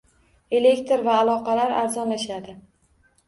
Elektr va aloqalar arzonlashadi.